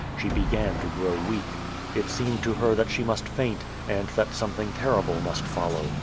She began to grow weak. It seemed to her that she must faint, and that something terrible must follow.